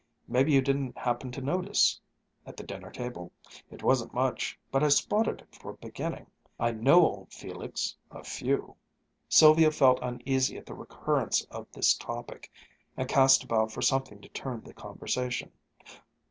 Maybe you didn't happen to notice ... at the dinner table? It wasn't much, but I spotted it for a beginning. I know old Felix, a few." Sylvia felt uneasy at the recurrence of this topic, and cast about for something to turn the conversation.